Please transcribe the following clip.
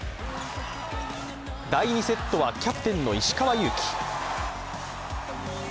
第２セットはキャプテンの石川祐希